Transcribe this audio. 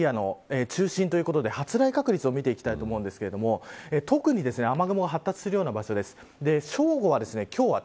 この後の不安定なエリアの中心ということで発雷確率見ていきたいと思うんですが特に雨雲が発達しているような場所です。